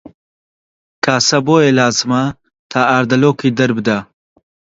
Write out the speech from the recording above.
کاسە بۆیە لازمە تا ئاردەڵۆکی دەربدا